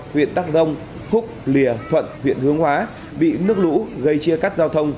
huyện đắc đông húc lìa thuận huyện hướng hóa bị nước lũ gây chia cắt giao thông